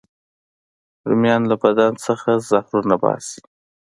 رومیان له بدن نه زهرونه وباسي